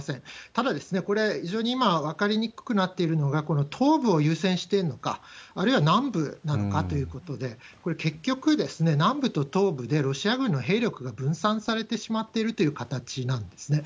ただ、これ、非常に今、分かりにくくなっているのが、この東部を優先してるのか、あるいは南部なのかということで、これ、結局、南部と東部でロシア軍の兵力が分散されてしまっているという形なんですね。